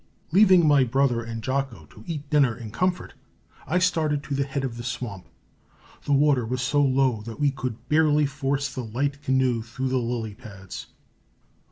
Leaving my brother and Jocko to eat dinner in comfort, I started to the head of the swamp. The water was so low that we could barely force the light canoe through the lily pads.